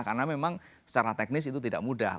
karena memang secara teknis itu tidak mudah